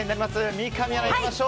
三上アナ、いきましょう。